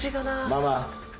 ママ。